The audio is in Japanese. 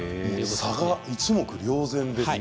差が一目瞭然ですね。